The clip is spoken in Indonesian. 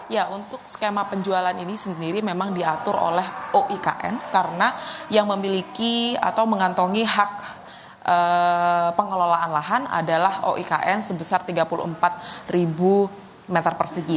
ya untuk skema penjualan ini sendiri memang diatur oleh oikn karena yang memiliki atau mengantongi hak pengelolaan lahan adalah oikn sebesar tiga puluh empat meter persegi